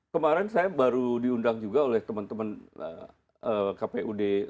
kemarin saya baru diundang juga oleh teman teman kpud